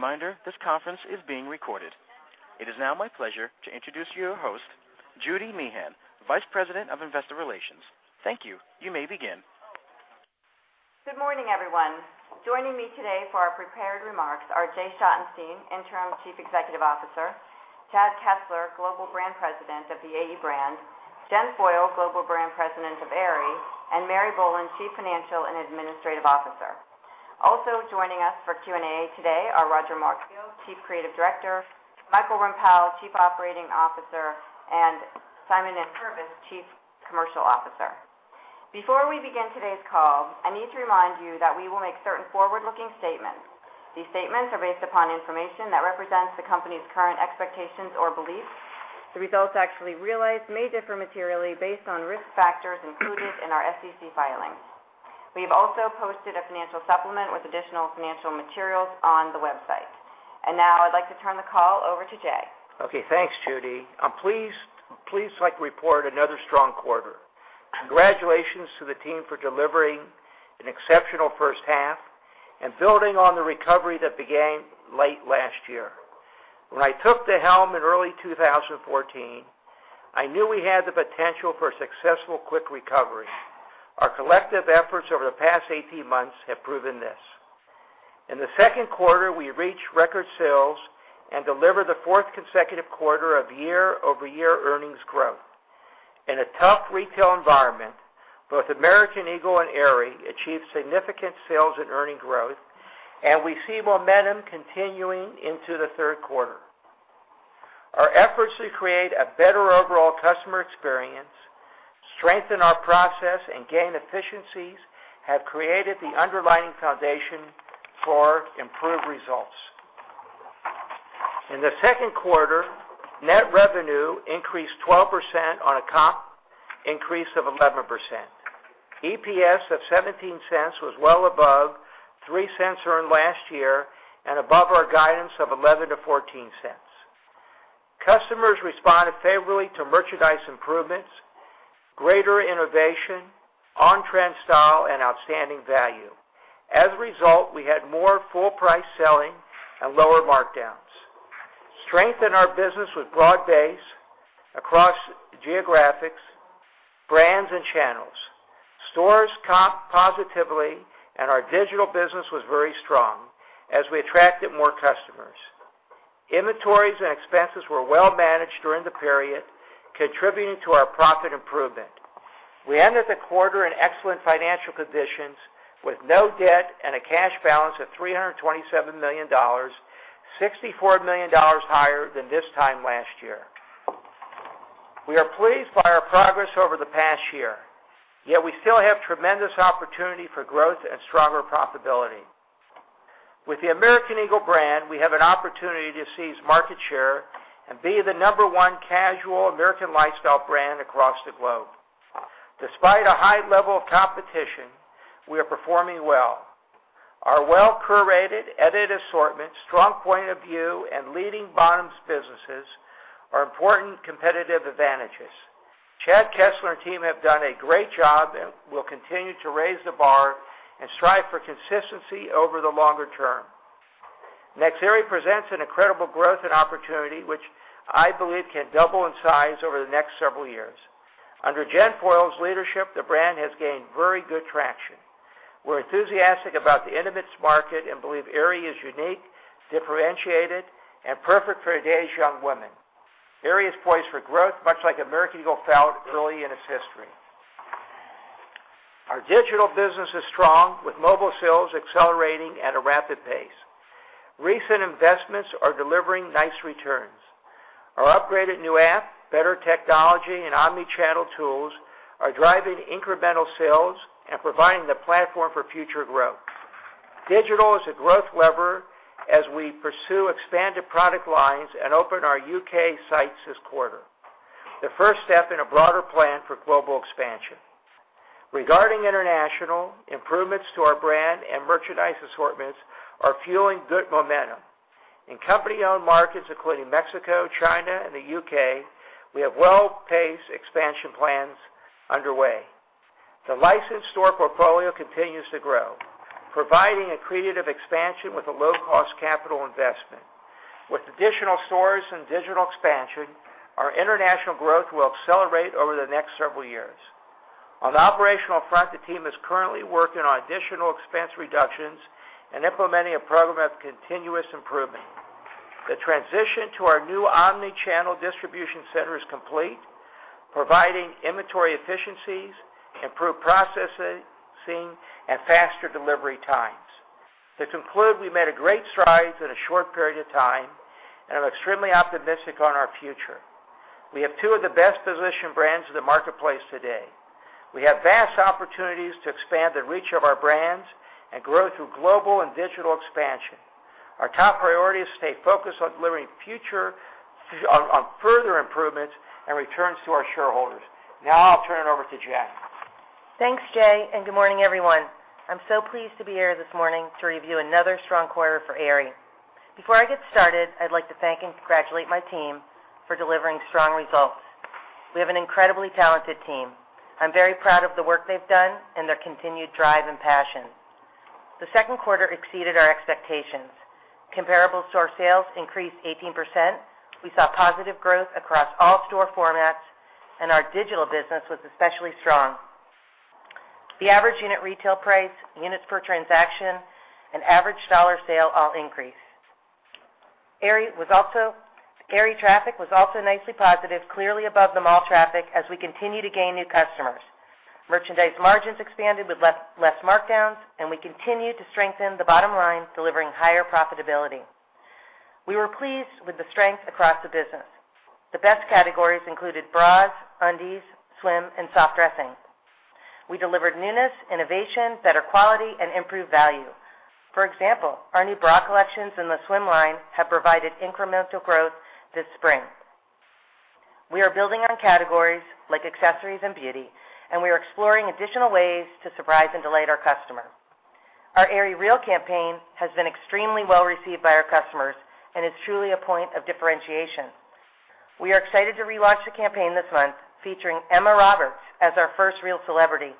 As a reminder, this conference is being recorded. It is now my pleasure to introduce your host, Judy Meehan, Vice President of Investor Relations. Thank you. You may begin. Good morning, everyone. Joining me today for our prepared remarks are Jay Schottenstein, Interim Chief Executive Officer, Chad Kessler, Global Brand President of the AE brand, Jen Foyle, Global Brand President of Aerie, and Mary Boland, Chief Financial and Administrative Officer. Also joining us for Q&A today are Roger Markfield, Chief Creative Director, Michael Rempell, Chief Operating Officer, and Simon Nankervis, Chief Commercial Officer. Before we begin today's call, I need to remind you that we will make certain forward-looking statements. These statements are based upon information that represents the company's current expectations or beliefs. The results actually realized may differ materially based on risk factors included in our SEC filings. We have also posted a financial supplement with additional financial materials on the website. Now I'd like to turn the call over to Jay. Okay. Thanks, Judy. I'm pleased to report another strong quarter. Congratulations to the team for delivering an exceptional first half and building on the recovery that began late last year. When I took the helm in early 2014, I knew we had the potential for a successful quick recovery. Our collective efforts over the past 18 months have proven this. In the second quarter, we reached record sales and delivered the fourth consecutive quarter of year-over-year earnings growth. In a tough retail environment, both American Eagle and Aerie achieved significant sales and earning growth, and we see momentum continuing into the third quarter. Our efforts to create a better overall customer experience, strengthen our process, and gain efficiencies have created the underlying foundation for improved results. In the second quarter, net revenue increased 12% on a comp increase of 11%. EPS of $0.17 was well above $0.03 earned last year and above our guidance of $0.11-$0.14. Customers responded favorably to merchandise improvements, greater innovation, on-trend style, and outstanding value. As a result, we had more full-price selling and lower markdowns. Strength in our business was broad-based across geographics, brands, and channels. Stores comped positively, and our digital business was very strong as we attracted more customers. Inventories and expenses were well managed during the period, contributing to our profit improvement. We ended the quarter in excellent financial conditions with no debt and a cash balance of $327 million, $64 million higher than this time last year. We are pleased by our progress over the past year, yet we still have tremendous opportunity for growth and stronger profitability. With the American Eagle brand, we have an opportunity to seize market share and be the number one casual American lifestyle brand across the globe. Despite a high level of competition, we are performing well. Our well-curated, edited assortment, strong point of view, and leading bottoms businesses are important competitive advantages. Chad Kessler and team have done a great job and will continue to raise the bar and strive for consistency over the longer term. Next, Aerie presents an incredible growth and opportunity, which I believe can double in size over the next several years. Under Jen Foyle's leadership, the brand has gained very good traction. We're enthusiastic about the intimates market and believe Aerie is unique, differentiated, and perfect for today's young women. Aerie is poised for growth, much like American Eagle felt early in its history. Our digital business is strong, with mobile sales accelerating at a rapid pace. Recent investments are delivering nice returns. Our upgraded new app, better technology, and omni-channel tools are driving incremental sales and providing the platform for future growth. Digital is a growth lever as we pursue expanded product lines and open our U.K. sites this quarter, the first step in a broader plan for global expansion. Regarding international, improvements to our brand and merchandise assortments are fueling good momentum. In company-owned markets, including Mexico, China, and the U.K., we have well-paced expansion plans underway. The licensed store portfolio continues to grow, providing a creative expansion with a low-cost capital investment. With additional stores and digital expansion, our international growth will accelerate over the next several years. On the operational front, the team is currently working on additional expense reductions and implementing a program of continuous improvement. The transition to our new omni-channel distribution center is complete, providing inventory efficiencies, improved processing, and faster delivery times. To conclude, we made great strides in a short period of time, and I'm extremely optimistic on our future. We have two of the best-positioned brands in the marketplace today. We have vast opportunities to expand the reach of our brands and grow through global and digital expansion. Our top priority is to stay focused on delivering on further improvements and returns to our shareholders. Now I'll turn it over to Jen. Thanks, Jay, and good morning, everyone. I'm so pleased to be here this morning to review another strong quarter for Aerie. Before I get started, I'd like to thank and congratulate my team for delivering strong results. We have an incredibly talented team. I'm very proud of the work they've done and their continued drive and passion. The second quarter exceeded our expectations. Comparable store sales increased 18%. We saw positive growth across all store formats, and our digital business was especially strong. The average unit retail price, units per transaction, and average dollar sale all increased. Aerie traffic was also nicely positive, clearly above the mall traffic, as we continue to gain new customers. Merchandise margins expanded with less markdowns, and we continued to strengthen the bottom line, delivering higher profitability. We were pleased with the strength across the business. The best categories included bras, undies, swim, and soft dressing. We delivered newness, innovation, better quality, and improved value. For example, our new bra collections and the swim line have provided incremental growth this spring. We are building on categories like accessories and beauty. We are exploring additional ways to surprise and delight our customer. Our AerieREAL campaign has been extremely well-received by our customers and is truly a point of differentiation. We are excited to relaunch the campaign this month, featuring Emma Roberts as our first real celebrity.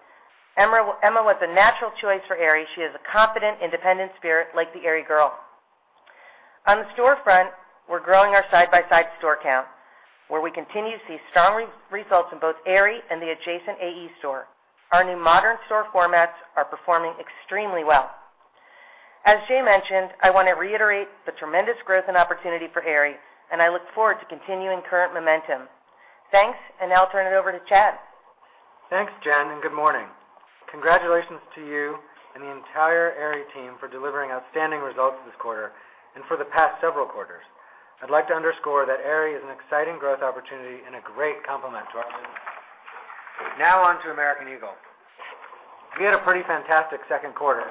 Emma was a natural choice for Aerie. She is a confident, independent spirit like the Aerie girl. On the storefront, we're growing our side-by-side store count, where we continue to see strong results in both Aerie and the adjacent AE store. Our new modern store formats are performing extremely well. As Jay mentioned, I want to reiterate the tremendous growth and opportunity for Aerie. I look forward to continuing current momentum. Thanks. Now I'll turn it over to Chad. Thanks, Jen. Good morning. Congratulations to you and the entire Aerie team for delivering outstanding results this quarter and for the past several quarters. I'd like to underscore that Aerie is an exciting growth opportunity and a great complement to our business. Now on to American Eagle. We had a pretty fantastic second quarter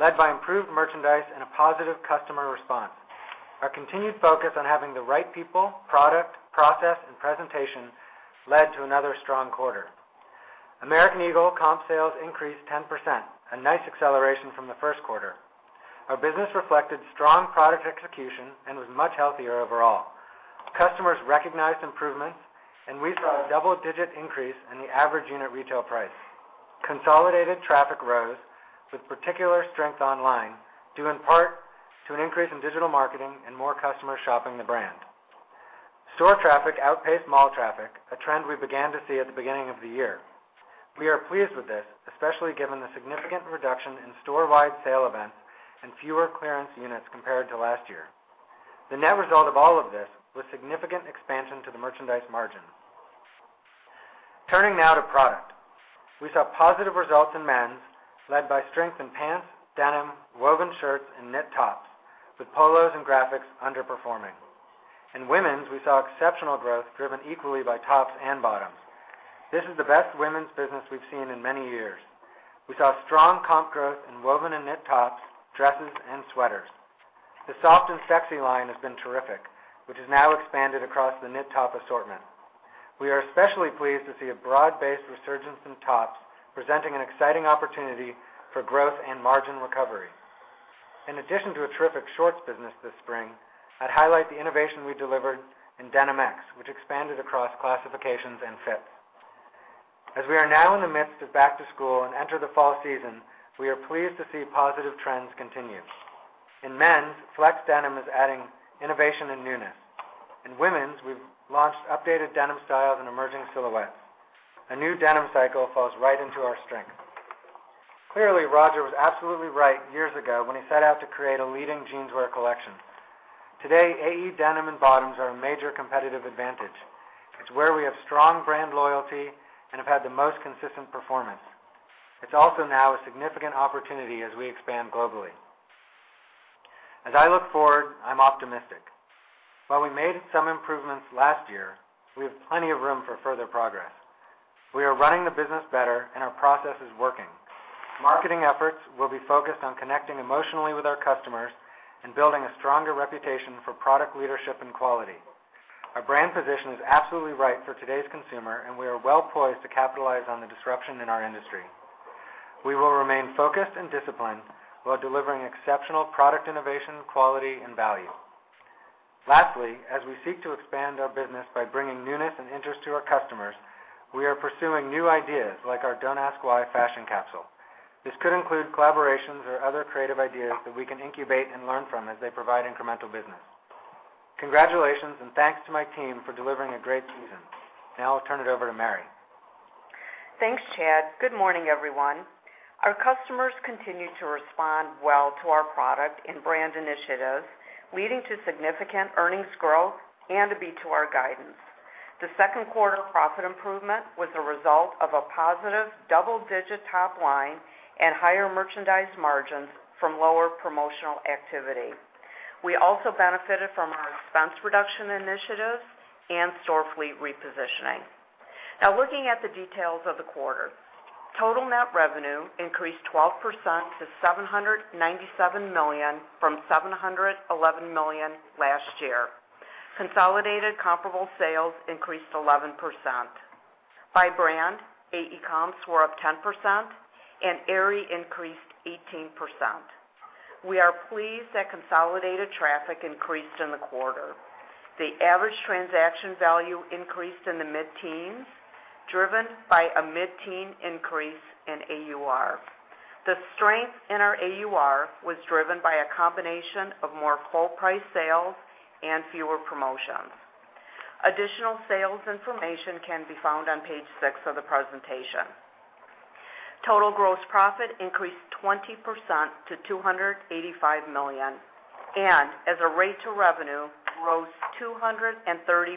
led by improved merchandise and a positive customer response. Our continued focus on having the right people, product, process, and presentation led to another strong quarter. American Eagle comp sales increased 10%, a nice acceleration from the first quarter. Our business reflected strong product execution and was much healthier overall. Customers recognized improvements. We saw a double-digit increase in the average unit retail price. Consolidated traffic rose, with particular strength online due in part to an increase in digital marketing and more customers shopping the brand. Store traffic outpaced mall traffic, a trend we began to see at the beginning of the year. We are pleased with this, especially given the significant reduction in store-wide sale events and fewer clearance units compared to last year. The net result of all of this was significant expansion to the merchandise margin. Turning now to product. We saw positive results in men's, led by strength in pants, denim, woven shirts, and knit tops, with polos and graphics underperforming. In women's, we saw exceptional growth driven equally by tops and bottoms. This is the best women's business we've seen in many years. We saw strong comp growth in woven and knit tops, dresses, and sweaters. The Soft & Sexy line has been terrific, which has now expanded across the knit top assortment. We are especially pleased to see a broad-based resurgence in tops, presenting an exciting opportunity for growth and margin recovery. In addition to a terrific shorts business this spring, I'd highlight the innovation we delivered in Denim X, which expanded across classifications and fits. As we are now in the midst of back to school and enter the fall season, we are pleased to see positive trends continue. In men's, Flex denim is adding innovation and newness. In women's, we've launched updated denim styles and emerging silhouettes. A new denim cycle falls right into our strength. Clearly, Roger was absolutely right years ago when he set out to create a leading jeans wear collection. Today, AE denim and bottoms are a major competitive advantage. It's where we have strong brand loyalty and have had the most consistent performance. It's also now a significant opportunity as we expand globally. As I look forward, I'm optimistic. While we made some improvements last year, we have plenty of room for further progress. We are running the business better, and our process is working. Marketing efforts will be focused on connecting emotionally with our customers and building a stronger reputation for product leadership and quality. Our brand position is absolutely right for today's consumer, and we are well-poised to capitalize on the disruption in our industry. We will remain focused and disciplined while delivering exceptional product innovation, quality, and value. Lastly, as we seek to expand our business by bringing newness and interest to our customers, we are pursuing new ideas like our Don't Ask Why fashion capsule. This could include collaborations or other creative ideas that we can incubate and learn from as they provide incremental business. Congratulations and thanks to my team for delivering a great season. Now I'll turn it over to Mary. Thanks, Chad. Good morning, everyone. Our customers continue to respond well to our product and brand initiatives, leading to significant earnings growth and a beat to our guidance. The second quarter profit improvement was a result of a positive double-digit top line and higher merchandise margins from lower promotional activity. We also benefited from our expense reduction initiatives and store fleet repositioning. Looking at the details of the quarter. Total net revenue increased 12% to $797 million from $711 million last year. Consolidated comparable sales increased 11%. By brand, AE Comps were up 10%, and Aerie increased 18%. We are pleased that consolidated traffic increased in the quarter. The average transaction value increased in the mid-teens, driven by a mid-teen increase in AUR. The strength in our AUR was driven by a combination of more full price sales and fewer promotions. Additional sales information can be found on page 6 of the presentation. Total gross profit increased 20% to $285 million, and as a rate to revenue, rose 230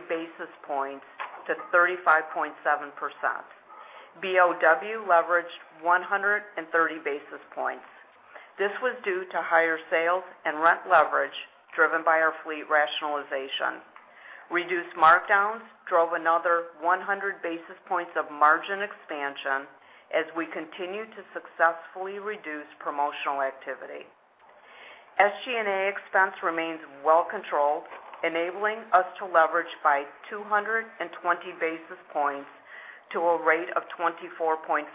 basis points to 35.7%. B&O leveraged 130 basis points. This was due to higher sales and rent leverage driven by our fleet rationalization. Reduced markdowns drove another 100 basis points of margin expansion as we continue to successfully reduce promotional activity. SG&A expense remains well controlled, enabling us to leverage by 220 basis points to a rate of 24.5%.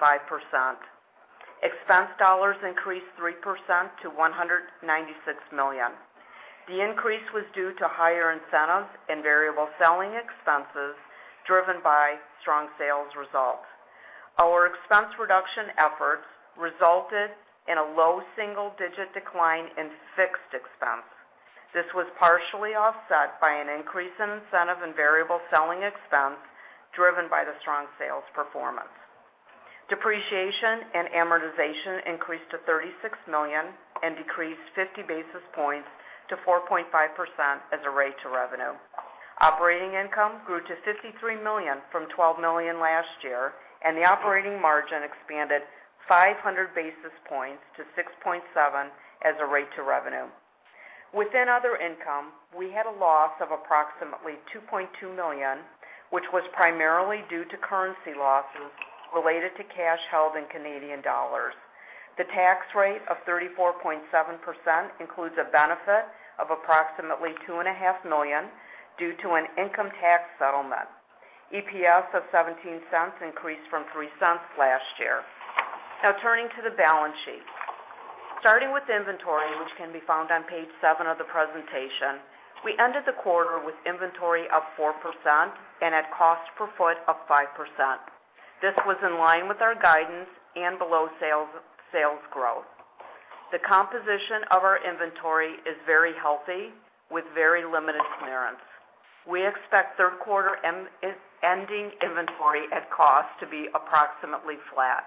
Expense dollars increased 3% to $196 million. The increase was due to higher incentives and variable selling expenses driven by strong sales results. Our expense reduction efforts resulted in a low single-digit decline in fixed expense. This was partially offset by an increase in incentive and variable selling expense driven by the strong sales performance. Depreciation and amortization increased to $36 million and decreased 50 basis points to 4.5% as a rate to revenue. Operating income grew to $53 million from $12 million last year, and the operating margin expanded 500 basis points to 6.7% as a rate to revenue. Within other income, we had a loss of approximately $2.2 million, which was primarily due to currency losses related to cash held in Canadian dollars. The tax rate of 34.7% includes a benefit of approximately $2.5 million due to an income tax settlement. EPS of $0.17 increased from $0.03 last year. Now turning to the balance sheet. Starting with inventory, which can be found on page 7 of the presentation, we ended the quarter with inventory up 4% and at cost per foot up 5%. This was in line with our guidance and below sales growth. The composition of our inventory is very healthy with very limited clearance. We expect third quarter ending inventory at cost to be approximately flat.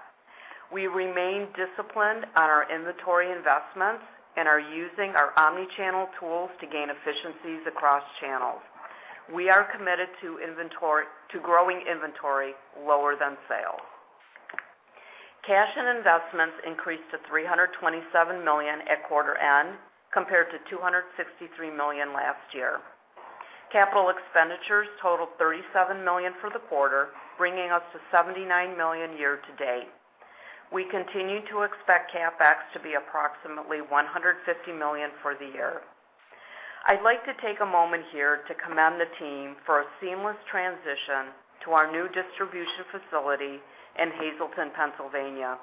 We remain disciplined on our inventory investments and are using our omni-channel tools to gain efficiencies across channels. We are committed to growing inventory lower than sales. Cash and investments increased to $327 million at quarter end, compared to $263 million last year. Capital expenditures totaled $37 million for the quarter, bringing us to $79 million year to date. We continue to expect CapEx to be approximately $150 million for the year. I'd like to take a moment here to commend the team for a seamless transition to our new distribution facility in Hazle Township, Pennsylvania.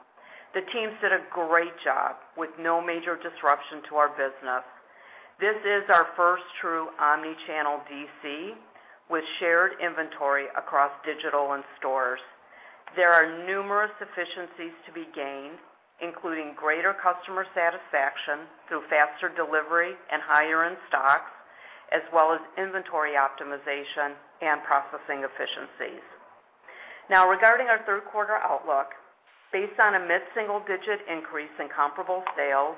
The teams did a great job with no major disruption to our business. This is our first true omni-channel DC with shared inventory across digital and stores. There are numerous efficiencies to be gained, including greater customer satisfaction through faster delivery and higher in stocks, as well as inventory optimization and processing efficiencies. Now, regarding our third quarter outlook, based on a mid-single-digit increase in comparable sales,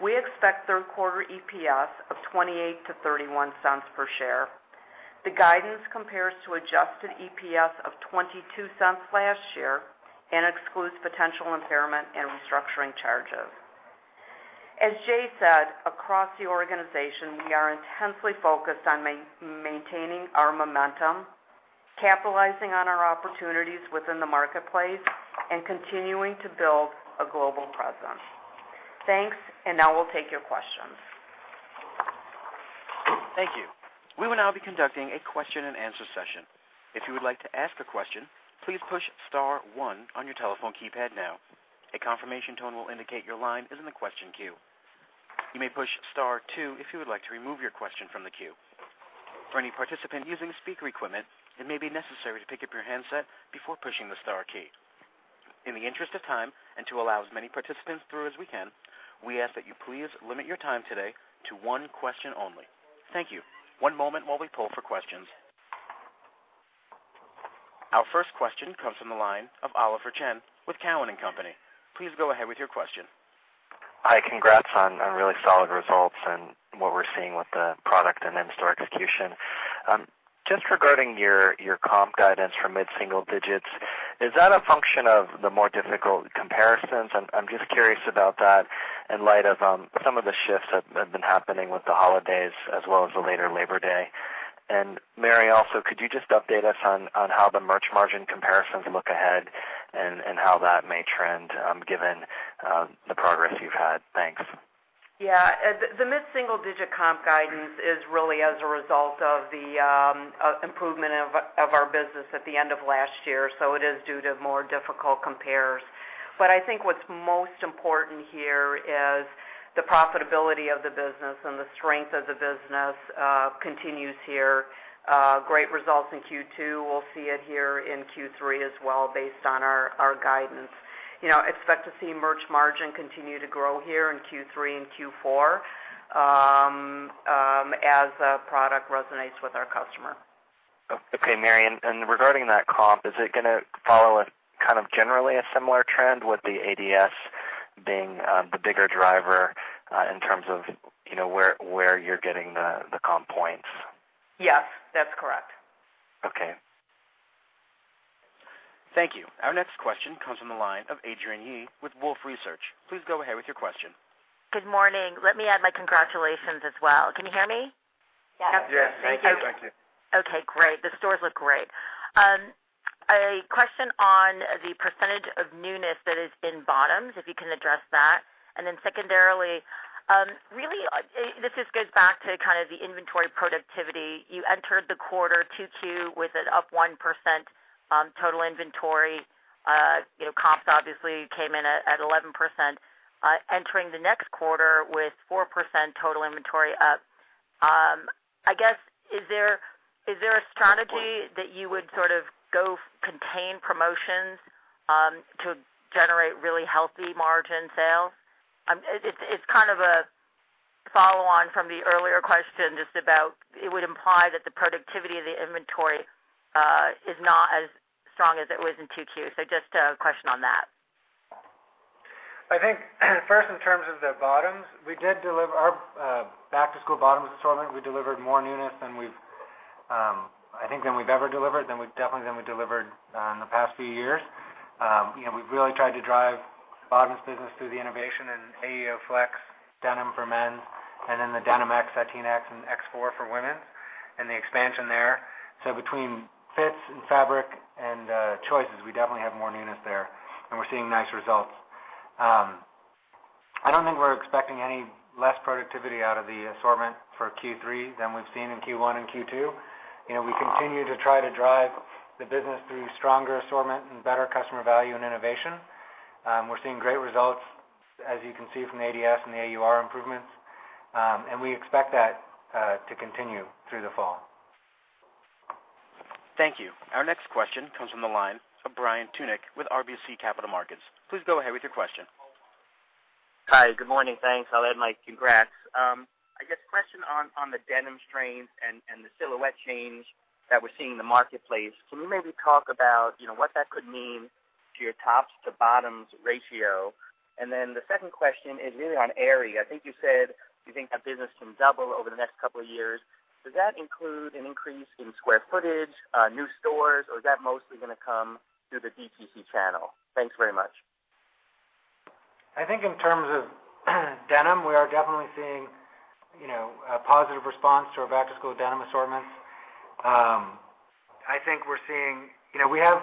we expect third quarter EPS of $0.28 to $0.31 per share. The guidance compares to adjusted EPS of $0.22 last year and excludes potential impairment and restructuring charges. As Jay said, across the organization, we are intensely focused on maintaining our momentum, capitalizing on our opportunities within the marketplace, and continuing to build a global presence. Thanks, and now we'll take your questions. Thank you. We will now be conducting a question and answer session. If you would like to ask a question, please push star one on your telephone keypad now. A confirmation tone will indicate your line is in the question queue. You may push star two if you would like to remove your question from the queue. For any participant using speaker equipment, it may be necessary to pick up your handset before pushing the star key. In the interest of time, and to allow as many participants through as we can, we ask that you please limit your time today to one question only. Thank you. One moment while we poll for questions. Our first question comes from the line of Oliver Chen with Cowen and Company. Please go ahead with your question. Hi, congrats on really solid results and what we're seeing with the product and in-store execution. Just regarding your comp guidance for mid-single digits, is that a function of the more difficult comparisons? I'm just curious about that in light of some of the shifts that have been happening with the holidays as well as the later Labor Day. Mary, also, could you just update us on how the merch margin comparisons look? And how that may trend given the progress you've had. Thanks. Yeah. The mid-single-digit comp guidance is really as a result of the improvement of our business at the end of last year. It is due to more difficult compares. I think what's most important here is the profitability of the business and the strength of the business continues here. Great results in Q2. We'll see it here in Q3 as well based on our guidance. Expect to see merch margin continue to grow here in Q3 and Q4 as the product resonates with our customer. Okay, Mary. Regarding that comp, is it going to follow a kind of generally a similar trend with the ADS being the bigger driver in terms of where you're getting the comp points? Yes, that's correct. Okay. Thank you. Our next question comes from the line of Adrienne Yih with Wolfe Research. Please go ahead with your question. Good morning. Let me add my congratulations as well. Can you hear me? Yes. Yes. Thank you. Okay, great. The stores look great. A question on the percentage of newness that is in bottoms, if you can address that. Secondarily, really, this just goes back to kind of the inventory productivity. You entered the quarter 2Q with an up 1% total inventory. Comps obviously came in at 11%, entering the next quarter with 4% total inventory up. I guess, is there a strategy that you would sort of go contain promotions to generate really healthy margin sales? It's kind of a follow-on from the earlier question, just about, it would imply that the productivity of the inventory is not as strong as it was in 2Q. Just a question on that. First, in terms of the bottoms, our back-to-school bottoms assortment, we delivered more newness than we've, I think, than we've ever delivered, definitely than we delivered in the past few years. We've really tried to drive the bottoms business through the innovation in AE Flex denim for men and then the Denim X, 13X, and X4 for women and the expansion there. Between fits and fabric and choices, we definitely have more newness there, and we're seeing nice results. I don't think we're expecting any less productivity out of the assortment for Q3 than we've seen in Q1 and Q2. We continue to try to drive the business through stronger assortment and better customer value and innovation. We're seeing great results, as you can see from the ADS and the AUR improvements. We expect that to continue through the fall. Thank you. Our next question comes from the line of Brian Tunick with RBC Capital Markets. Please go ahead with your question. Hi. Good morning. Thanks. I'll add my congrats. I guess a question on the denim strength and the silhouette change that we're seeing in the marketplace. Can you maybe talk about what that could mean to your tops to bottoms ratio? The second question is really on Aerie. I think you said you think that business can double over the next couple of years. Does that include an increase in square footage, new stores, or is that mostly gonna come through the DTC channel? Thanks very much. I think in terms of denim, we are definitely seeing a positive response to our back-to-school denim assortments. We have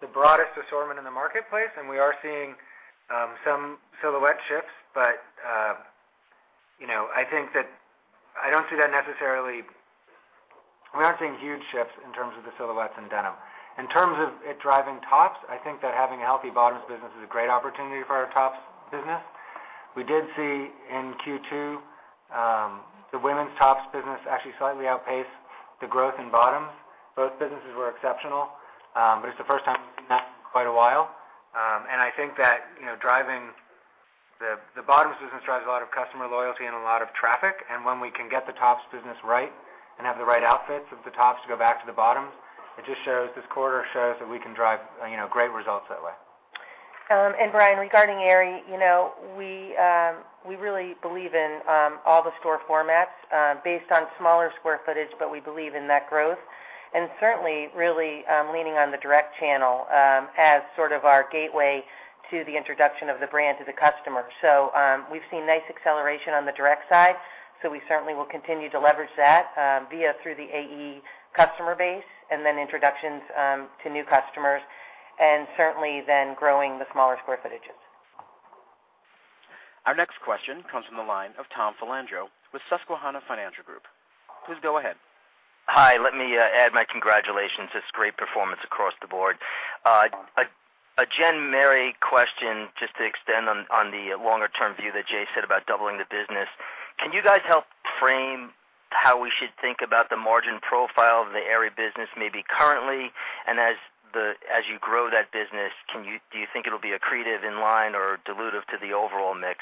the broadest assortment in the marketplace, and we are seeing some silhouette shifts, but we aren't seeing huge shifts in terms of the silhouettes in denim. In terms of it driving tops, I think that having a healthy bottoms business is a great opportunity for our tops business. We did see in Q2, the women's tops business actually slightly outpace the growth in bottoms. Both businesses were exceptional. It's the first time in quite a while. I think that the bottoms business drives a lot of customer loyalty and a lot of traffic. When we can get the tops business right and have the right outfits with the tops to go back to the bottoms, this quarter shows that we can drive great results that way. Brian, regarding Aerie, we really believe in all the store formats based on smaller square footage, but we believe in that growth. Certainly, really leaning on the direct channel as sort of our gateway to the introduction of the brand to the customer. We've seen nice acceleration on the direct side, so we certainly will continue to leverage that via through the AE customer base and then introductions to new customers and certainly then growing the smaller square footages. Our next question comes from the line of Tom Filandro with Susquehanna Financial Group. Please go ahead. Hi. Let me add my congratulations. It's great performance across the board. A Jen, Mary question, just to extend on the longer-term view that Jay said about doubling the business. Can you guys help frame how we should think about the margin profile of the Aerie business, maybe currently, and as you grow that business, do you think it'll be accretive, in line, or dilutive to the overall mix?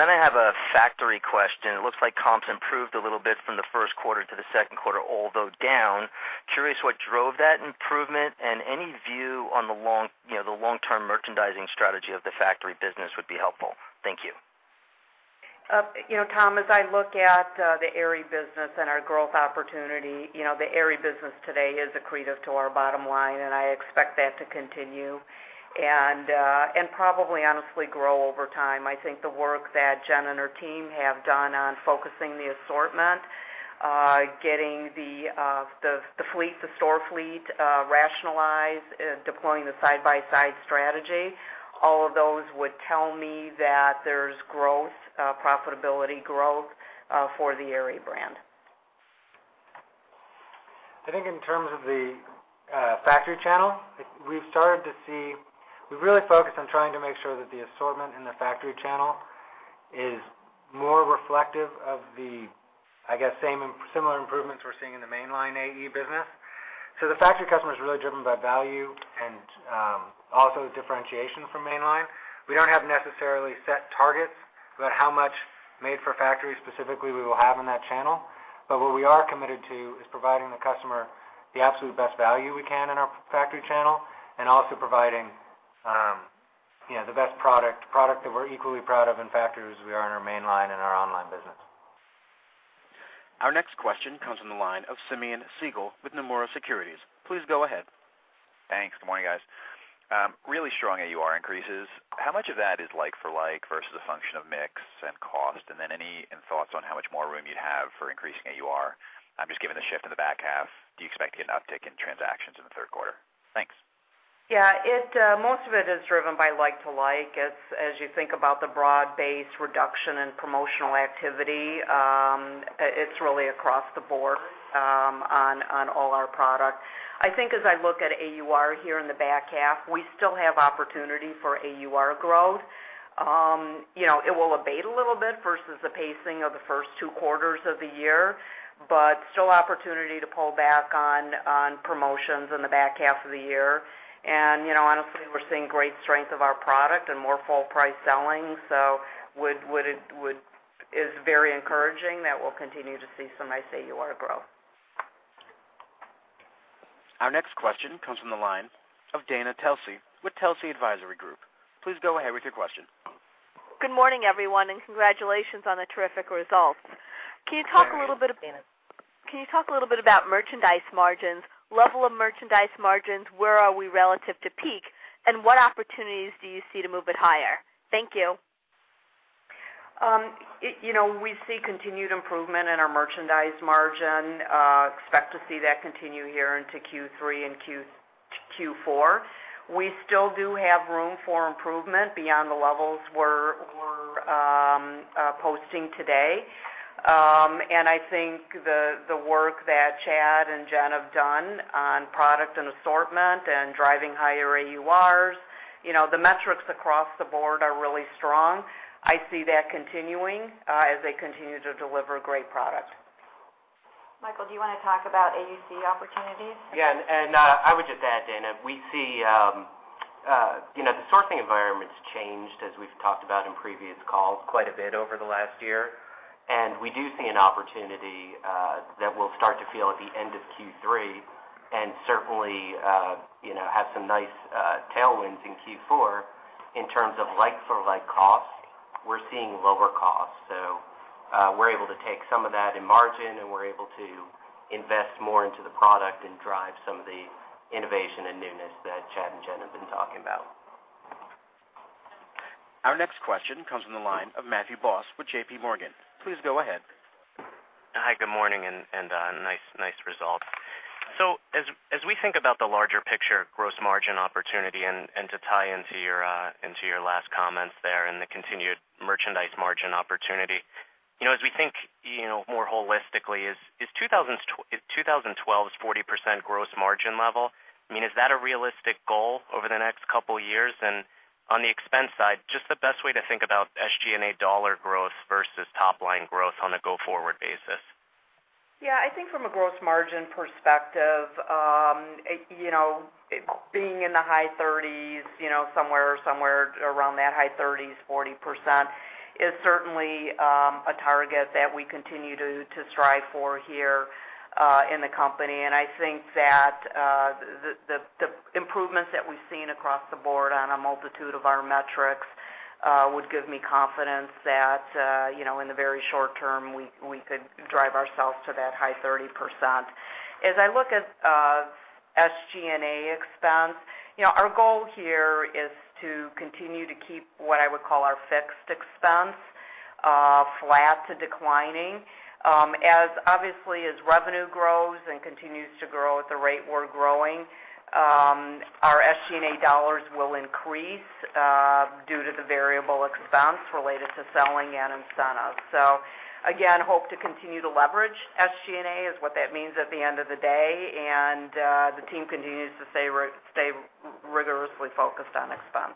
Then I have a factory question. It looks like AE Comps improved a little bit from the first quarter to the second quarter, although down. Curious what drove that improvement and any view on the long-term merchandising strategy of the factory business would be helpful. Thank you. Tom, as I look at the Aerie business and our growth opportunity, the Aerie business today is accretive to our bottom line, and I expect that to continue and probably honestly grow over time. I think the work that Jen and her team have done on focusing the assortment, getting the store fleet rationalized, deploying the side-by-side strategy, all of those would tell me that there's profitability growth for the Aerie brand. I think in terms of the factory channel, we've really focused on trying to make sure that the assortment in the factory channel is more reflective of the, I guess, similar improvements we're seeing in the mainline AE business. The factory customer is really driven by value and also differentiation from mainline. We don't have necessarily set targets about how much made for factory specifically we will have in that channel, what we are committed to is providing the customer the absolute best value we can in our factory channel, also providing the best product that we're equally proud of in factory as we are in our mainline and our online business. Our next question comes from the line of Simeon Siegel with Nomura Securities. Please go ahead. Thanks. Good morning, guys. Really strong AUR increases. How much of that is like for like versus a function of mix and cost? Any thoughts on how much more room you'd have for increasing AUR? Just given the shift in the back half, do you expect to get an uptick in transactions in the third quarter? Thanks. Yeah. Most of it is driven by like to like. As you think about the broad-based reduction in promotional activity, it's really across the board on all our product. I think as I look at AUR here in the back half, we still have opportunity for AUR growth. It will abate a little bit versus the pacing of the first two quarters of the year, but still opportunity to pull back on promotions in the back half of the year. Honestly, we're seeing great strength of our product and more full price selling. It is very encouraging that we'll continue to see some nice AUR growth. Our next question comes from the line of Dana Telsey with Telsey Advisory Group. Please go ahead with your question. Good morning, everyone, and congratulations on the terrific results. Good morning, Dana. Can you talk a little bit about merchandise margins, level of merchandise margins, where are we relative to peak, and what opportunities do you see to move it higher? Thank you. We see continued improvement in our merchandise margin. Expect to see that continue here into Q3 and Q4. We still do have room for improvement beyond the levels we're posting today. I think the work that Chad and Jen have done on product and assortment and driving higher AURs, the metrics across the board are really strong. I see that continuing as they continue to deliver great product. Michael, do you want to talk about AUC opportunities? I would just add, Dana, the sourcing environment's changed, as we've talked about in previous calls, quite a bit over the last year. We do see an opportunity that we'll start to feel at the end of Q3, and certainly, have some nice tailwinds in Q4. In terms of like-for-like costs, we're seeing lower costs. We're able to take some of that in margin, and we're able to invest more into the product and drive some of the innovation and newness that Chad and Jen have been talking about. Our next question comes from the line of Matthew Boss with JPMorgan. Please go ahead. Hi, good morning, nice result. As we think about the larger picture gross margin opportunity, to tie into your last comments there, the continued merchandise margin opportunity. As we think more holistically, is 2012's 40% gross margin level, is that a realistic goal over the next couple of years? On the expense side, just the best way to think about SG&A dollar growth versus top line growth on a go-forward basis. I think from a gross margin perspective, being in the high 30s, somewhere around that high 30s, 40%, is certainly a target that we continue to strive for here in the company. I think that the improvements that we've seen across the board on a multitude of our metrics would give me confidence that, in the very short term, we could drive ourselves to that high 30%. As I look at SG&A expense, our goal here is to continue to keep what I would call our fixed expense flat to declining. Obviously, as revenue grows and continues to grow at the rate we're growing, our SG&A dollars will increase due to the variable expense related to selling and incentive. Hope to continue to leverage SG&A is what that means at the end of the day. The team continues to stay rigorously focused on expense.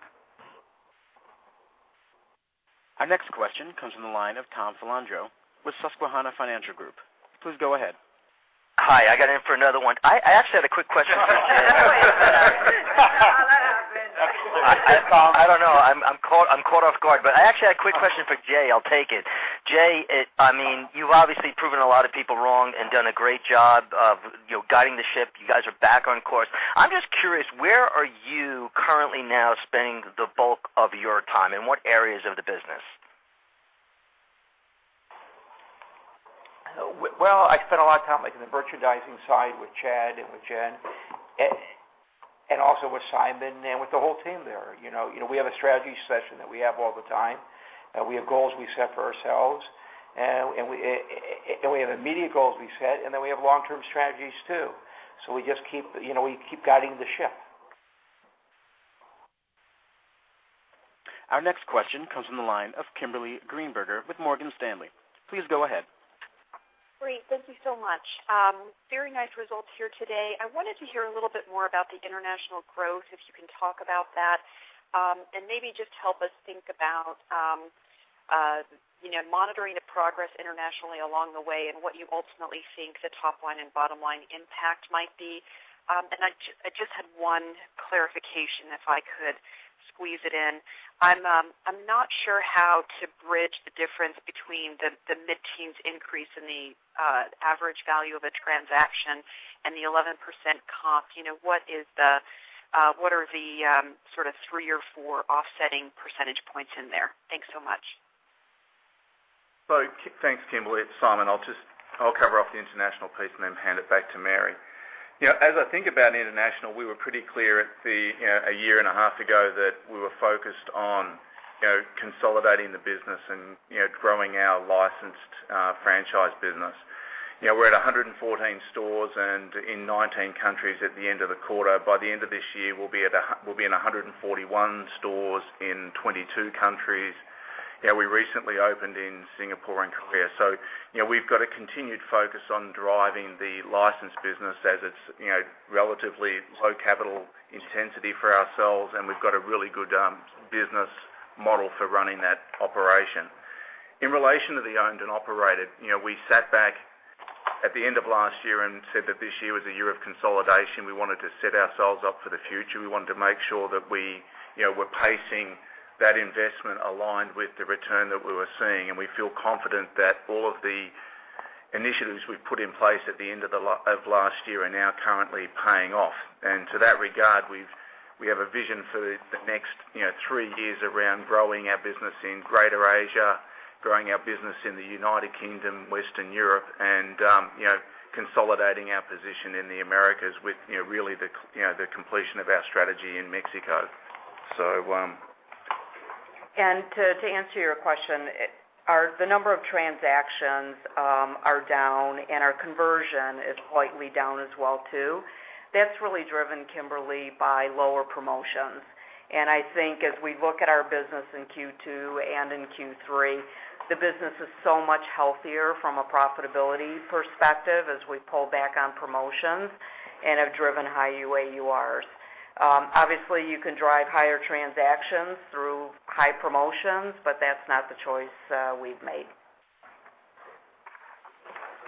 Our next question comes from the line of Tom Filandro with Susquehanna Financial Group. Please go ahead. Hi, I got in for another one. I actually had a quick question for Jay. How'd that happen? I don't know. I'm caught off guard, I actually had a quick question for Jay. I'll take it. Jay, you've obviously proven a lot of people wrong and done a great job of guiding the ship. You guys are back on course. I'm just curious, where are you currently now spending the bulk of your time, in what areas of the business? I spend a lot of time in the merchandising side with Chad and with Jen, also with Simon and with the whole team there. We have a strategy session that we have all the time. We have goals we set for ourselves, we have immediate goals we set, we have long-term strategies, too. We just keep guiding the ship. Our next question comes from the line of Kimberly Greenberger with Morgan Stanley. Please go ahead. Great. Thank you so much. Very nice results here today. I wanted to hear a little bit more about the international growth, if you can talk about that. Maybe just help us think about monitoring the progress internationally along the way and what you ultimately think the top line and bottom line impact might be. I just had one clarification, if I could squeeze it in. I'm not sure how to bridge the difference between the mid-teens increase in the average value of a transaction and the 11% comp. What are the three or four offsetting percentage points in there? Thanks so much. Thanks, Kimberly. It's Simon. I'll cover off the international piece and then hand it back to Mary. As I think about international, we were pretty clear a year and a half ago that we were focused on consolidating the business and growing our licensed franchise business. We're at 114 stores and in 19 countries at the end of the quarter. By the end of this year, we'll be in 141 stores in 22 countries. We recently opened in Singapore and Korea. We've got a continued focus on driving the licensed business as it's relatively low capital intensity for ourselves, we've got a really good business model for running that operation. In relation to the owned and operated, we sat back at the end of last year and said that this year was a year of consolidation. We wanted to set ourselves up for the future. We wanted to make sure that we were pacing that investment aligned with the return that we were seeing, and we feel confident that all of the initiatives we put in place at the end of last year are now currently paying off. To that regard, we have a vision for the next three years around growing our business in Greater Asia, growing our business in the United Kingdom, Western Europe, and consolidating our position in the Americas with really the completion of our strategy in Mexico. To answer your question, the number of transactions are down, and our conversion is slightly down as well, too. That's really driven, Kimberly, by lower promotions. I think as we look at our business in Q2 and in Q3, the business is so much healthier from a profitability perspective as we pull back on promotions and have driven high AURs. Obviously, you can drive higher transactions through high promotions, but that's not the choice we've made.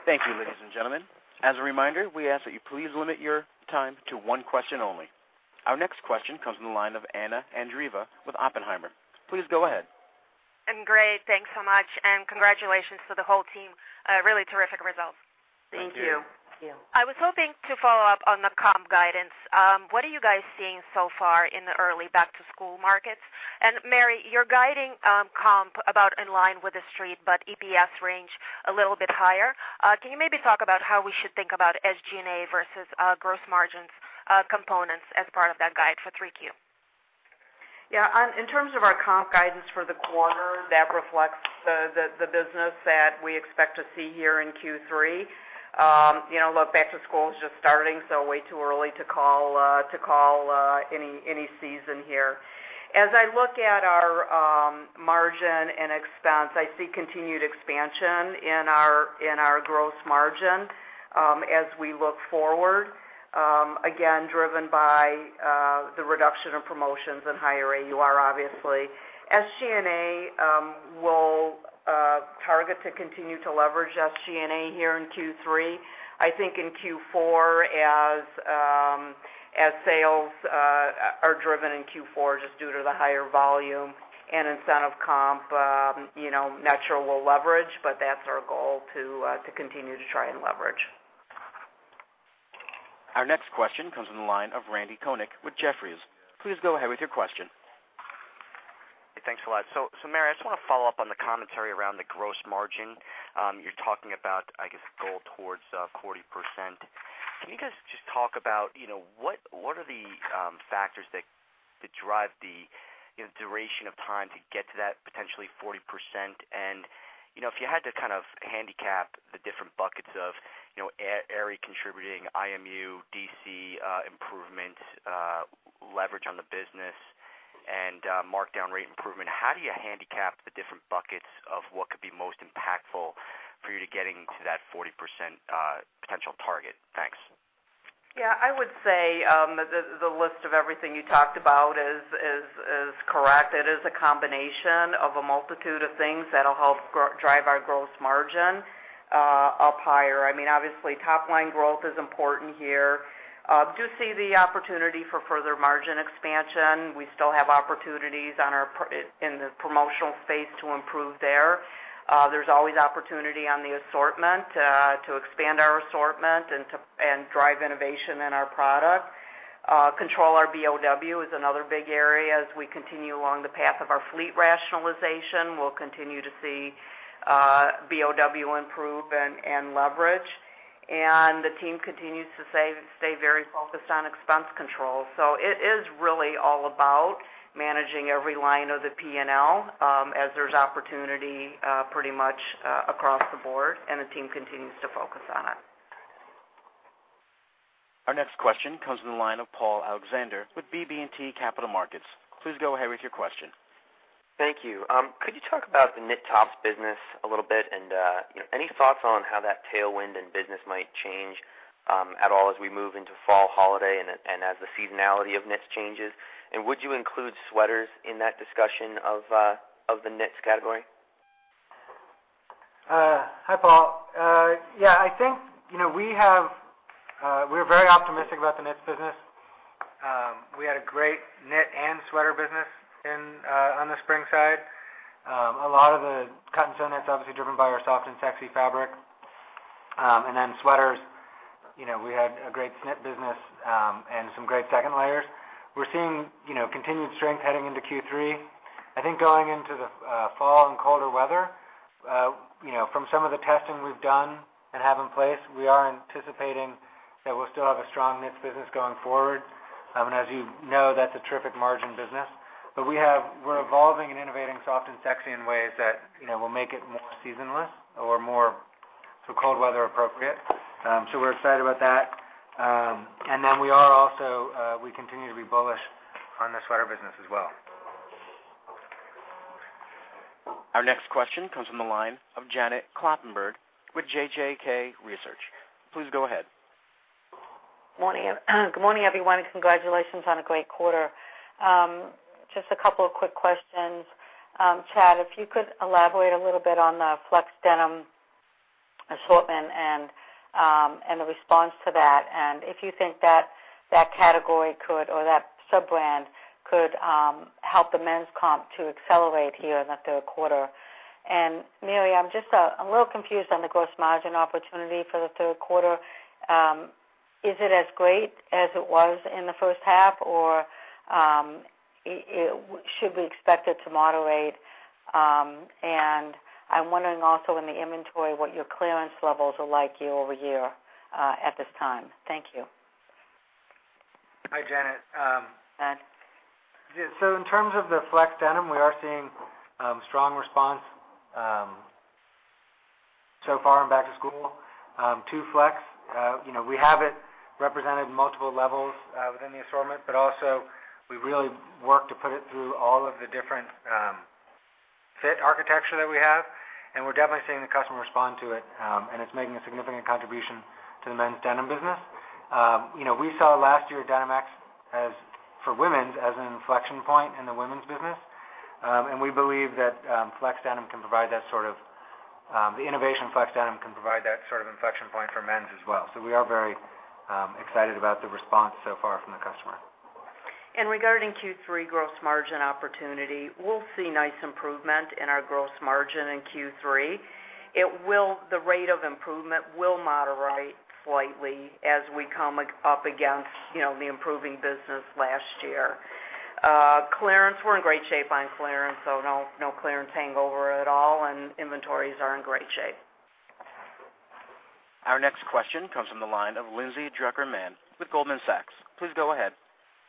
Thank you, ladies and gentlemen. As a reminder, we ask that you please limit your time to one question only. Our next question comes from the line of Anna Andreeva with Oppenheimer. Please go ahead. Great. Thanks so much. Congratulations to the whole team. Really terrific results. Thank you. Thank you. I was hoping to follow up on the comp guidance. What are you guys seeing so far in the early back-to-school markets? Mary, you're guiding comp about in line with the street, but EPS range a little bit higher. Can you maybe talk about how we should think about SG&A versus gross margins components as part of that guide for 3Q? Yeah. In terms of our comp guidance for the quarter, that reflects the business that we expect to see here in Q3. Look, back-to-school is just starting, Way too early to call any season here. As I look at our margin and expense, I see continued expansion in our gross margin as we look forward, again, driven by the reduction of promotions and higher AUR, obviously. SG&A, we'll target to continue to leverage SG&A here in Q3. I think in Q4, as sales are driven in Q4 just due to the higher volume and incentive comp, natural will leverage. That's our goal to continue to try and leverage. Our next question comes from the line of Randal Konik with Jefferies. Please go ahead with your question. Thanks a lot. Mary, I just want to follow up on the commentary around the gross margin. You're talking about, I guess, goal towards 40%. Can you guys just talk about what are the factors that drive the duration of time to get to that potentially 40%? If you had to kind of handicap the different buckets of Aerie contributing, IMU, DC improvement, leverage on the business, and markdown rate improvement, how do you handicap the different buckets of what could be most impactful for you to getting to that 40% potential target? Thanks. Yeah, I would say the list of everything you talked about is correct. It is a combination of a multitude of things that'll help drive our gross margin up higher. Obviously, top-line growth is important here. Do see the opportunity for further margin expansion. We still have opportunities in the promotional space to improve there. There's always opportunity on the assortment to expand our assortment and drive innovation in our product. Control our B&O is another big area as we continue along the path of our fleet rationalization. We'll continue to see B&O improve and leverage. The team continues to stay very focused on expense control. It is really all about managing every line of the P&L as there's opportunity pretty much across the board, and the team continues to focus on it. Our next question comes from the line of Paul Alexander with BB&T Capital Markets. Please go ahead with your question. Thank you. Could you talk about the knit tops business a little bit, and any thoughts on how that tailwind in business might change at all as we move into fall holiday and as the seasonality of knits changes? Would you include sweaters in that discussion of the knits category? Hi, Paul. I think we're very optimistic about the knits business. We had a great knit and sweater business on the spring side. A lot of the cotton swim is obviously driven by our Soft & Sexy fabric. Sweaters, we had a great knit business, and some great second layers. We're seeing continued strength heading into Q3. I think going into the fall and colder weather, from some of the testing we've done and have in place, we are anticipating that we'll still have a strong knits business going forward. As you know, that's a terrific margin business. We're evolving and innovating Soft & Sexy in ways that will make it more seasonless or more cold weather appropriate. We're excited about that. We continue to be bullish on the sweater business as well. Our next question comes from the line of Janet Kloppenburg with JJK Research. Please go ahead. Good morning, everyone. Congratulations on a great quarter. Just a couple of quick questions. Chad, if you could elaborate a little bit on the Flex denim assortment and the response to that, and if you think that category could, or that sub-brand could help the men's comp to accelerate here in the third quarter. Mary, I'm a little confused on the gross margin opportunity for the third quarter. Is it as great as it was in the first half, or should we expect it to moderate? I'm wondering also in the inventory, what your clearance levels are like year-over-year at this time. Thank you. Hi, Janet. Hi. In terms of the Flex denim, we are seeing strong response so far in back to school to Flex. We have it represented in multiple levels within the assortment, but also we really work to put it through all of the different fit architecture that we have, and we're definitely seeing the customer respond to it. It's making a significant contribution to the men's denim business. We saw last year Denim X for women's as an inflection point in the women's business. We believe that the innovation Flex denim can provide that sort of inflection point for men's as well. We are very excited about the response so far from the customer. Regarding Q3 gross margin opportunity, we'll see nice improvement in our gross margin in Q3. The rate of improvement will moderate slightly as we come up against the improving business last year. Clearance, we're in great shape on clearance, so no clearance hangover at all, and inventories are in great shape. Our next question comes from the line of Lindsay Drucker Mann with Goldman Sachs. Please go ahead.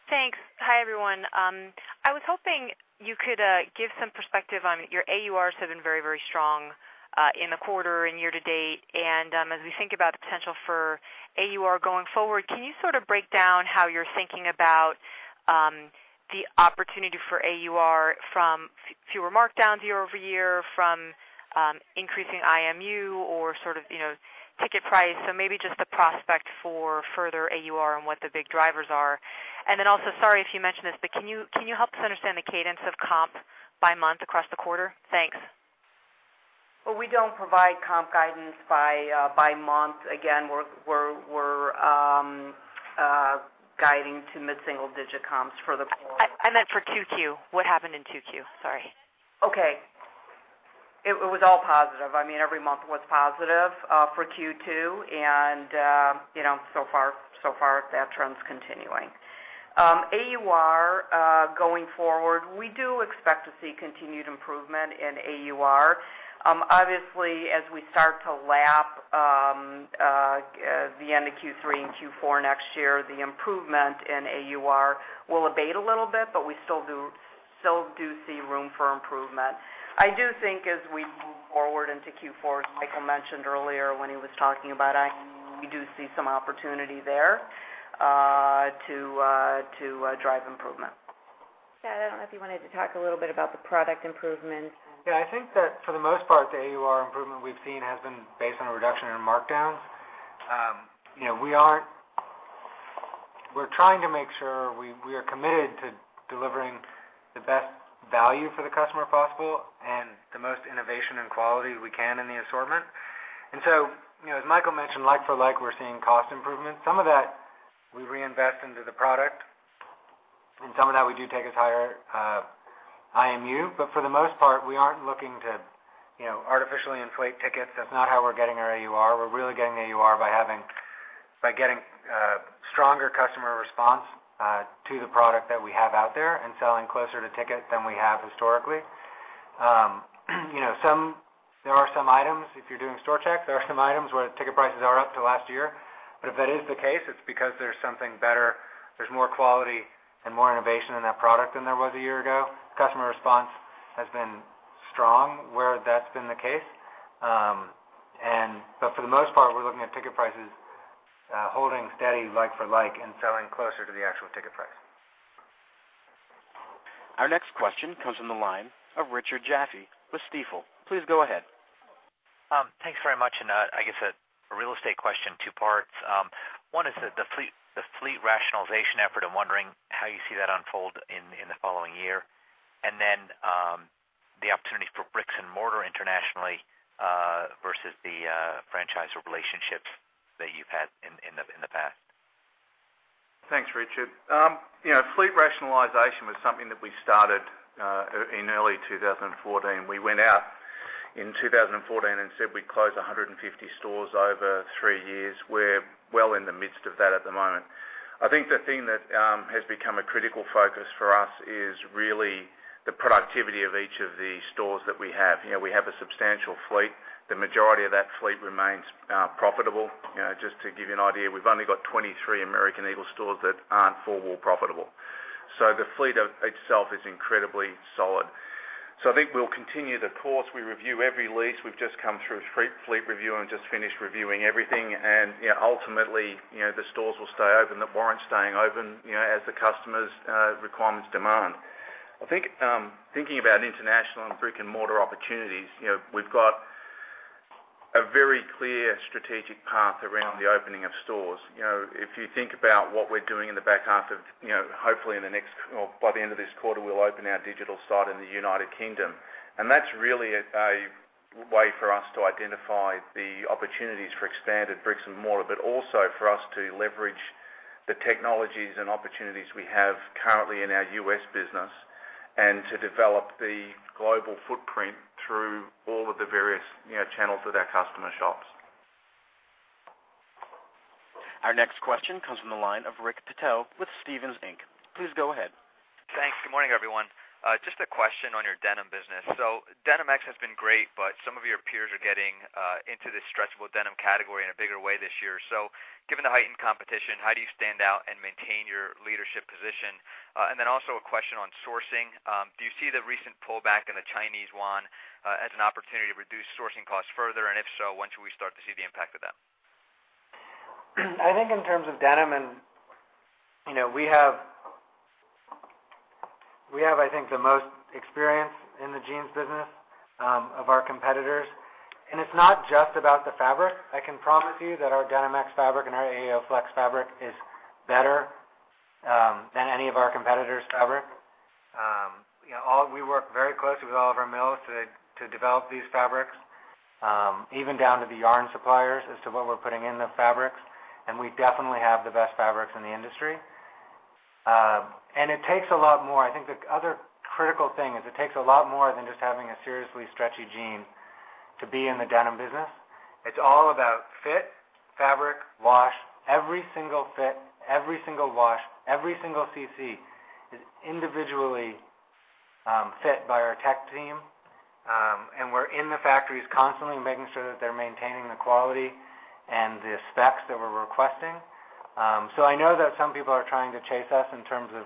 Thanks. Hi, everyone. I was hoping you could give some perspective on your AURs have been very, very strong in the quarter and year-to-date. As we think about the potential for AUR going forward, can you sort of break down how you're thinking about the opportunity for AUR from fewer markdowns year-over-year, from increasing IMU or sort of ticket price? Maybe just the prospect for further AUR and what the big drivers are. Also, sorry if you mentioned this, but can you help us understand the cadence of comp by month across the quarter? Thanks. We don't provide comp guidance by month. We're guiding to mid-single digit comps for the quarter. I meant for 2Q. What happened in 2Q? Sorry. It was all positive. Every month was positive for Q2, so far that trend's continuing. AUR, going forward, we do expect to see continued improvement in AUR. As we start to lap the end of Q3 and Q4 next year, the improvement in AUR will abate a little bit, we still do see room for improvement. I do think as we move forward into Q4, as Michael mentioned earlier when he was talking about AUC, we do see some opportunity there to drive improvement. Chad, I don't know if you wanted to talk a little bit about the product improvements. Yeah, I think that for the most part, the AUR improvement we've seen has been based on a reduction in markdowns. We're trying to make sure we are committed to delivering the best value for the customer possible and the most innovation and quality we can in the assortment. So, as Michael mentioned, like for like, we're seeing cost improvements. Some of that we reinvest into the product, and some of that we do take as higher IMU. For the most part, we aren't looking to artificially inflate tickets. That's not how we're getting our AUR. We're really getting AUR by getting a stronger customer response to the product that we have out there and selling closer to ticket than we have historically. There are some items, if you're doing store checks, there are some items where ticket prices are up to last year. If that is the case, it's because there's something better, there's more quality and more innovation in that product than there was a year ago. Customer response has been strong where that's been the case. For the most part, we're looking at ticket prices holding steady like for like and selling closer to the actual ticket price. Our next question comes from the line of Richard Jaffe with Stifel. Please go ahead. Thanks very much. I guess a real estate question, two parts. One is the fleet rationalization effort. I'm wondering how you see that unfold in the following year, and then the opportunity for bricks and mortar internationally versus the franchisor relationships that you've had in the past. Thanks, Richard. Fleet rationalization was something that we started in early 2014. We went out in 2014 and said we'd close 150 stores over three years. We're well in the midst of that at the moment. I think the thing that has become a critical focus for us is really the productivity of each of the stores that we have. We have a substantial fleet. The majority of that fleet remains profitable. Just to give you an idea, we've only got 23 American Eagle stores that aren't four-wall profitable. The fleet itself is incredibly solid. I think we'll continue the course. We review every lease. We've just come through fleet review and just finished reviewing everything. Ultimately, the stores will stay open that warrant staying open as the customers' requirements demand. Thinking about international and brick and mortar opportunities, we've got a very clear strategic path around the opening of stores. If you think about what we're doing in the back half, hopefully by the end of this quarter, we'll open our digital site in the U.K. That's really a way for us to identify the opportunities for expanded bricks and mortar, but also for us to leverage the technologies and opportunities we have currently in our U.S. business, and to develop the global footprint through all of the various channels that our customer shops. Our next question comes from the line of Rick Patel with Stephens Inc. Please go ahead. Thanks. Good morning, everyone. Just a question on your denim business. Denim X has been great, but some of your peers are getting into this stretchable denim category in a bigger way this year. Given the heightened competition, how do you stand out and maintain your leadership position? Also a question on sourcing. Do you see the recent pullback in the Chinese yuan as an opportunity to reduce sourcing costs further? If so, when should we start to see the impact of that? I think in terms of denim, we have, I think, the most experience in the jeans business of our competitors. It's not just about the fabric. I can promise you that our Denim X fabric and our AE Flex fabric is better than any of our competitors' fabric. We work very closely with all of our mills to develop these fabrics, even down to the yarn suppliers as to what we're putting in the fabrics. We definitely have the best fabrics in the industry. It takes a lot more. I think the other critical thing is it takes a lot more than just having a seriously stretchy jean to be in the denim business. It's all about fit, fabric, wash. Every single fit, every single wash, every single CC is individually fit by our tech team. We're in the factories constantly making sure that they're maintaining the quality and the specs that we're requesting. I know that some people are trying to chase us in terms of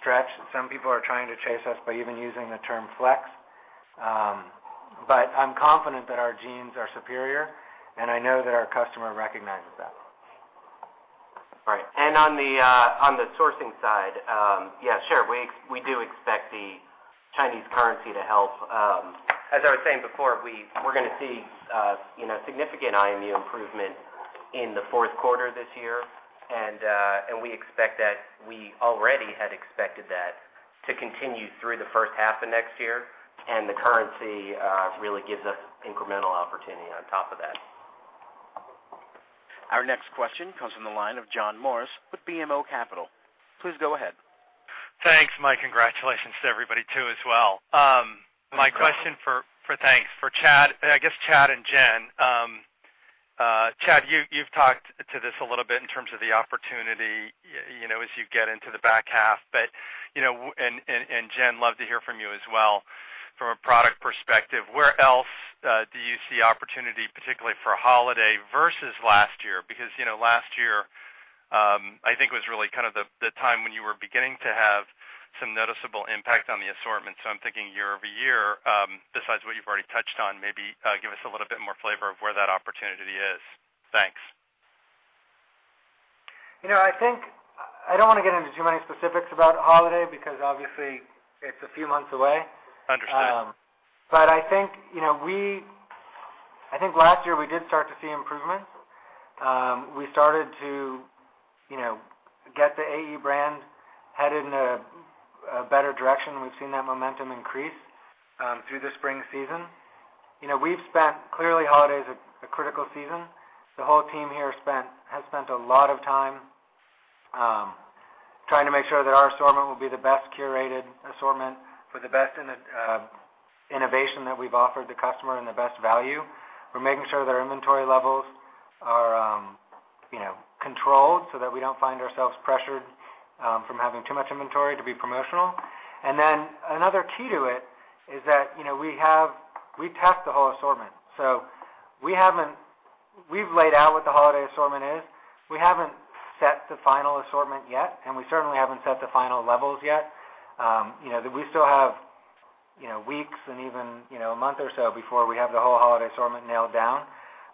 stretch. Some people are trying to chase us by even using the term Flex. I'm confident that our jeans are superior, and I know that our customer recognizes that. Right. On the sourcing side, yeah, sure. We do expect the Chinese currency to help. As I was saying before, we're going to see significant IMU improvement in the fourth quarter this year. We already had expected that to continue through the first half of next year. The currency really gives us incremental opportunity on top of that. Our next question comes from the line of John Morris with BMO Capital. Please go ahead. Thanks, Mike. Congratulations to everybody too as well. Thanks, John. Thanks. For Chad, I guess Chad and Jen. Chad, you've talked to this a little bit in terms of the opportunity as you get into the back half. Jen, love to hear from you as well. From a product perspective, where else do you see opportunity, particularly for holiday versus last year? Last year, I think, was really the time when you were beginning to have some noticeable impact on the assortment. I'm thinking year-over-year, besides what you've already touched on, maybe give us a little bit more flavor of where that opportunity is. Thanks. I don't want to get into too many specifics about holiday because obviously it's a few months away. Understood. I think last year, we did start to see improvements. We started to get the AE brand headed in a better direction. We've seen that momentum increase through the spring season. Clearly, holiday is a critical season. The whole team here has spent a lot of time trying to make sure that our assortment will be the best curated assortment for the best innovation that we've offered the customer and the best value. We're making sure their inventory levels are controlled so that we don't find ourselves pressured from having too much inventory to be promotional. Another key to it is that we test the whole assortment. We've laid out what the holiday assortment is. We haven't set the final assortment yet, and we certainly haven't set the final levels yet. We still have weeks and even a month or so before we have the whole holiday assortment nailed down.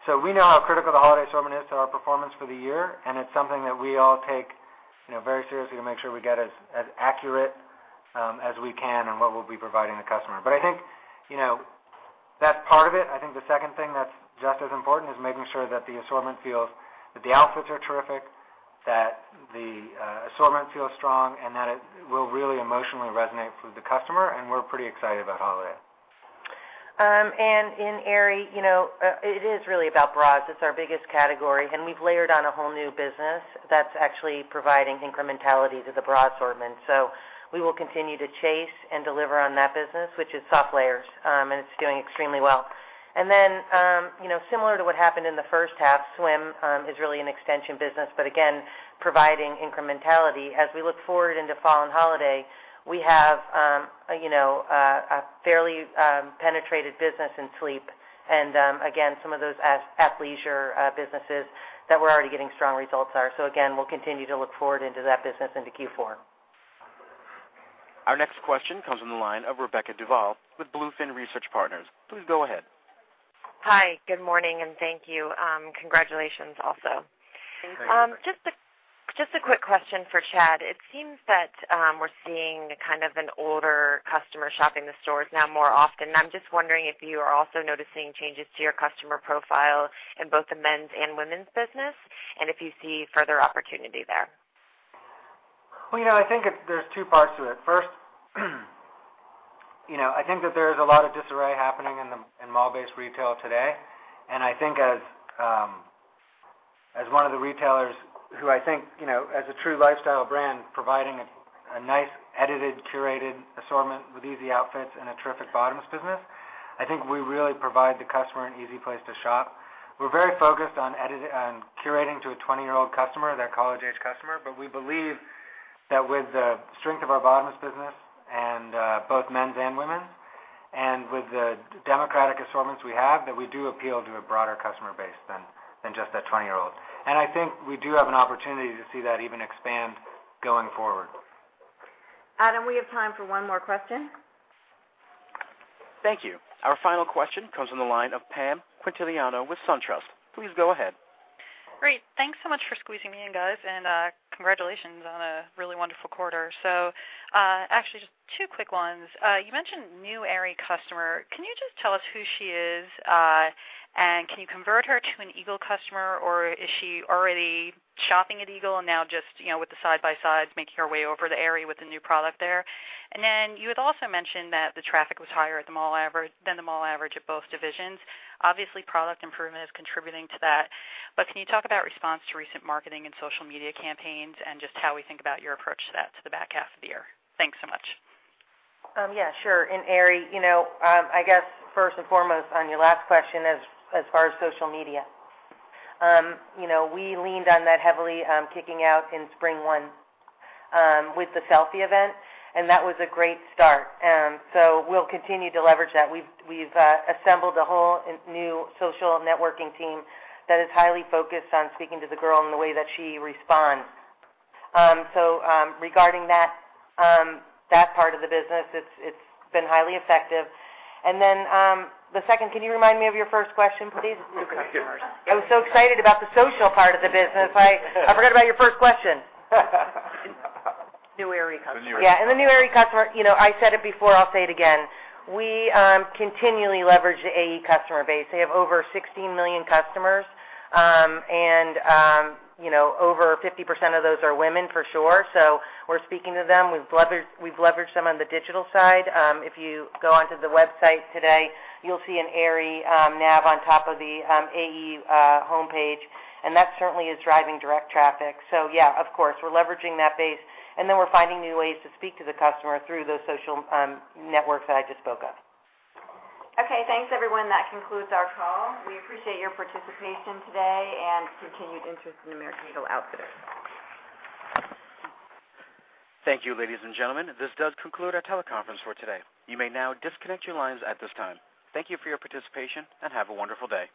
We know how critical the holiday assortment is to our performance for the year, and it's something that we all take very seriously to make sure we get as accurate as we can on what we'll be providing the customer. I think that's part of it. I think the second thing that's just as important is making sure that the assortment feels that the outfits are terrific, that the assortment feels strong, and that it will really emotionally resonate with the customer. We're pretty excited about holiday. In Aerie, it is really about bras. It's our biggest category, and we've layered on a whole new business that's actually providing incrementality to the bra assortment. We will continue to chase and deliver on that business, which is soft layers. It's doing extremely well. Similar to what happened in the first half, swim is really an extension business, but again, providing incrementality. As we look forward into fall and holiday, we have a fairly penetrated business in sleep and again, some of those athleisure businesses that we're already getting strong results are. We'll continue to look forward into that business into Q4. Our next question comes from the line of Rebecca Duval with Bluefin Research Partners. Please go ahead. Hi, good morning, and thank you. Congratulations, also. Thank you. Thanks. Just a quick question for Chad. It seems that we're seeing kind of an older customer shopping the stores now more often, and I'm just wondering if you are also noticing changes to your customer profile in both the men's and women's business and if you see further opportunity there. Well, I think there's two parts to it. First, I think that there's a lot of disarray happening in mall-based retail today, and I think as one of the retailers who I think, as a true lifestyle brand, providing a nice edited, curated assortment with easy outfits and a terrific bottoms business. I think we really provide the customer an easy place to shop. We're very focused on curating to a 20-year-old customer, that college-age customer. We believe that with the strength of our bottoms business in both men's and women's, and with the democratic assortments we have, that we do appeal to a broader customer base than just that 20-year-old. I think we do have an opportunity to see that even expand going forward. Adam, we have time for one more question. Thank you. Our final question comes from the line of Pam Quintiliano with SunTrust. Please go ahead. Great. Thanks so much for squeezing me in, guys, and congratulations on a really wonderful quarter. Actually just two quick ones. You mentioned new Aerie customer. Can you just tell us who she is? Can you convert her to an Eagle customer, or is she already shopping at Eagle and now just with the side-by-sides, making her way over to Aerie with the new product there? You had also mentioned that the traffic was higher than the mall average at both divisions. Obviously, product improvement is contributing to that. Can you talk about response to recent marketing and social media campaigns and just how we think about your approach to that to the back half of the year? Thanks so much. Yeah, sure. In Aerie, I guess first and foremost on your last question as far as social media. We leaned on that heavily, kicking out in Spring one with the selfie event, and that was a great start. We'll continue to leverage that. We've assembled a whole new social networking team that is highly focused on speaking to the girl in the way that she responds. Regarding that part of the business, it's been highly effective. The second, can you remind me of your first question, please? The customers. I was so excited about the social part of the business, I forgot about your first question. New Aerie customer. The new Aerie customer. Yeah, the new Aerie customer, I said it before, I'll say it again. We continually leverage the AE customer base. They have over 16 million customers. Over 50% of those are women for sure. We're speaking to them. We've leveraged them on the digital side. If you go onto the website today, you'll see an Aerie nav on top of the AE homepage, that certainly is driving direct traffic. Yeah, of course, we're leveraging that base, then we're finding new ways to speak to the customer through those social networks that I just spoke of. Okay, thanks, everyone. That concludes our call. We appreciate your participation today and continued interest in American Eagle Outfitters. Thank you, ladies and gentlemen. This does conclude our teleconference for today. You may now disconnect your lines at this time. Thank you for your participation, and have a wonderful day.